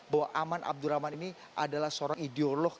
bahwa aman abdurrahman ini adalah seorang ideolog